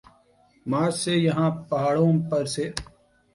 مارچ سے یہاں پہاڑوں پر سے